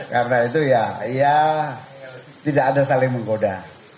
karena itu ya ia tidak ada saling menggoda